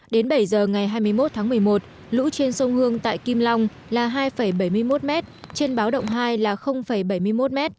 đến bảy giờ ngày hai mươi một tháng một mươi một lũ trên sông hương tại kim long là hai bảy mươi một m trên báo động hai là bảy mươi một m